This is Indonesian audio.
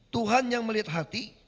tuhan yang melihat hati